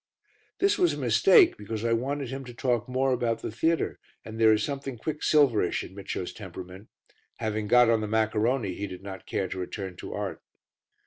This was a mistake because I wanted him to talk more about the theatre, and there is something quicksilverish in Micio's temperament; having got on the maccaroni he did not care to return to art.